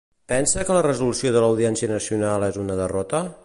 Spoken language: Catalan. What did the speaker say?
Pensa que la resolució de l'Audiència Nacional és una derrota?